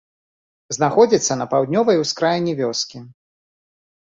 Знаходзіцца на паўднёвай ускраіне вёскі.